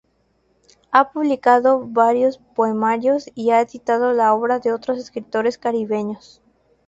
Ha publicado varios poemarios y ha editado la obra de otros escritores caribeños.